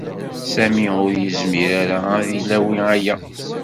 Sami ur yezmir ara ad ilawi aya.